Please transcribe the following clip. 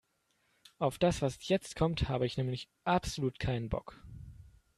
Auf das, was jetzt kommt, habe ich nämlich absolut keinen Bock.